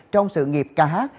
trong sự nghiệp ca hát